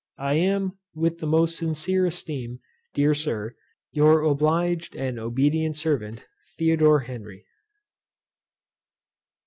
I am, with the most sincere esteem, Dear Sir, Your obliged and obedient servant, THO. HENRY.